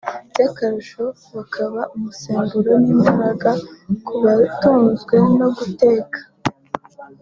by’akarusho bakaba umusemburo n’imbaraga ku batunzwe no gutega [betting]